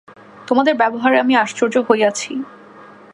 তোমাদের ব্যবহারে আমি আশ্চর্য হইয়াছি।